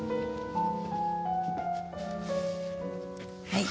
はい。